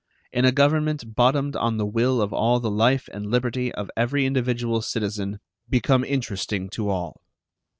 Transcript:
In a government bottomed on the will of all the life and liberty of every individual citizen become interesting to all.